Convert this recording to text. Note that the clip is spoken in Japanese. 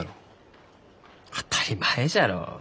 当たり前じゃろう。